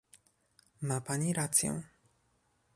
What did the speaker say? Ma Pani rację